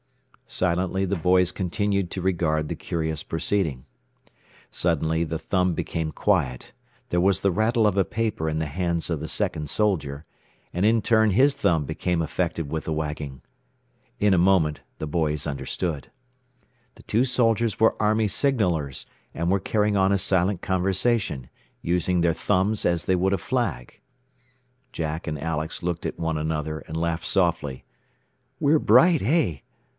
Silently the boys continued to regard the curious proceeding. Suddenly the thumb became quiet, there was the rattle of a paper in the hands of the second soldier, and in turn his thumb became affected with the wagging. In a moment the boys understood. The two soldiers were army signallers, and were carrying on a silent conversation, using their thumbs as they would a flag. Jack and Alex looked at one another and laughed softly. "We're bright, eh?"